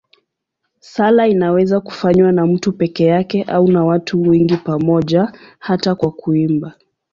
Sala inaweza kufanywa na mtu peke yake au na wengi pamoja, hata kwa kuimba.